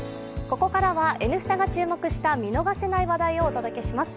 ここからは「Ｎスタ」が注目した、見逃せない話題をお届けします。